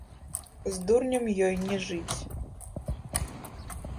З дурнем ёй не жыць.